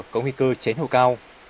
có nguy cơ cháy nổ cao